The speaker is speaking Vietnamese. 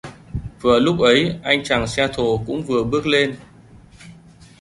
Vừa lúc ấy anh chàng xe thồ cũng vừa bước lên